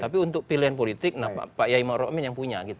tapi untuk pilihan politik nah pak yaimaro emang yang punya gitu